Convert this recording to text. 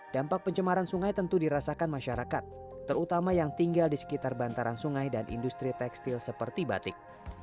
dampak pencemaran sungai tentu dirasakan masyarakat terutama yang tinggal di sekitar bantaran sungai dan industri tekstil seperti batik